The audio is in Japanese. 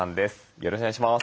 よろしくお願いします。